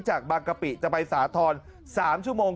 จากบางกะปิจะไปสาธรณ์๓ชั่วโมง